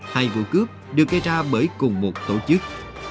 hai vụ cướp được gây ra bởi cùng một tổ chức